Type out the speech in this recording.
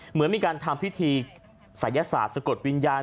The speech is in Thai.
เหมือนมีการทำพิธีศัยศาสตร์สะกดวิญญาณ